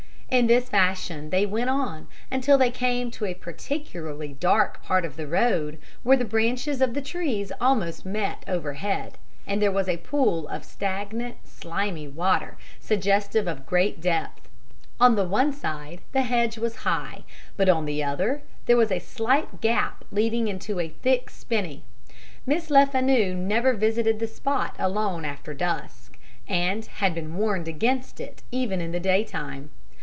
In this fashion they went on, until they came to a particularly dark part of the road, where the branches of the trees almost met overhead, and there was a pool of stagnant, slimy water, suggestive of great depth. On the one side the hedge was high, but on the other there was a slight gap leading into a thick spinney. Miss Lefanu never visited the spot alone after dusk, and had been warned against it even in the daytime.